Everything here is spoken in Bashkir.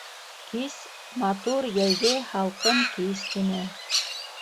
Кис, матур йәйге һалҡын кис ине.